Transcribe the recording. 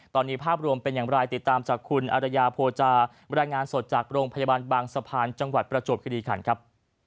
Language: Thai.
ตอนนี้ภาพรวมเป็นอย่างไรติดตามจากคุณอารยาโพจาบรรยายงานสดจากโรงพยาบาลบางสะพานจังหวัดประจวบคิริขันครับ